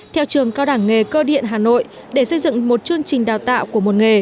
theo trường cao đẳng nghề cơ điện hà nội để xây dựng một chương trình đào tạo của một nghề